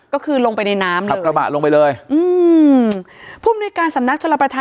ก็คือลงไปในน้ำเลยดำลาบะลงไปเลย